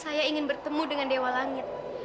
saya ingin bertemu dengan dewa langit